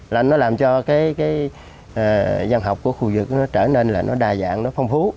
là nó làm cho cái văn học của khu vực nó trở nên là nó đa dạng nó phong phú